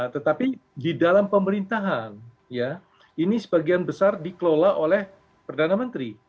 tetapi di dalam pemerintahan ya ini sebagian besar dikelola oleh perdana menteri